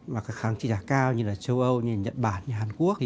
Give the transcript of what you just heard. mà kháng trị giá cao như là châu âu nhật bản hàn quốc